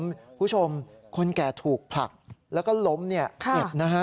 คุณผู้ชมคนแก่ถูกผลักแล้วก็ล้มเจ็บนะครับ